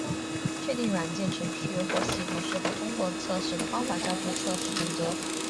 确定软件程序或系统是否通过测试的方法叫做测试准则。